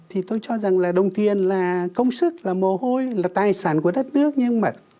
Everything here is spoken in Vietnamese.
thì tôi cho rằng là đồng tiền là công sức là mồ hôi là tài sản của đất nước nhưng mà